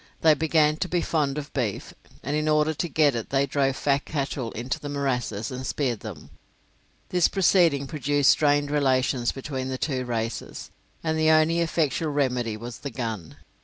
They began to be fond of beef, and in order to get it they drove fat cattle into the morasses and speared them. This proceeding produced strained relations between the two races, and the only effectual remedy was the gun.